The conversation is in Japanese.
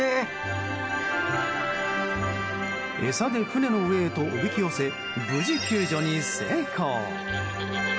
餌で船の上へとおびき寄せ無事、救助に成功。